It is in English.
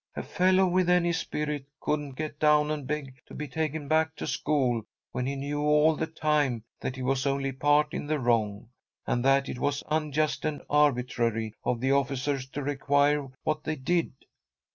"A fellow with any spirit couldn't get down and beg to be taken back to school, when he knew all the time that he was only partly in the wrong, and that it was unjust and arbitrary of the officers to require what they did."